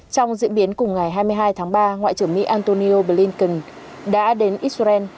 trong diễn biến cùng ngày hai mươi hai tháng ba ngoại trưởng mỹ antonio blinken đã đến israel